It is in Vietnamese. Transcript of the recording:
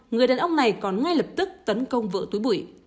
người đàn ông này còn ngay lập tức tấn công vỡ túi bụi